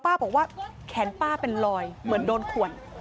บอกว่าแขนป้าเป็นลอยเหมือนโดนขวน